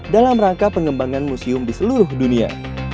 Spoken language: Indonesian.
dalam rangka pengembangan museum di seluruh dunia